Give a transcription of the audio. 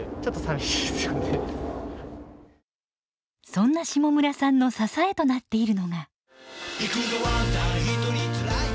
そんな下村さんの支えとなっているのが。